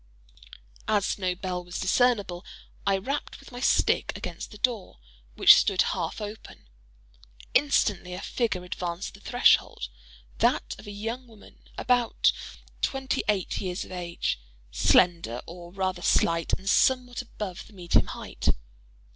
As no bell was discernible, I rapped with my stick against the door, which stood half open. Instantly a figure advanced to the threshold—that of a young woman about twenty eight years of age—slender, or rather slight, and somewhat above the medium height.